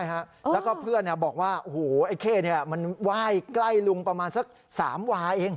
แล้วก็เพื่อนบอกว่าโอ้โหไอ้เข้มันไหว้ใกล้ลุงประมาณสัก๓วาเอง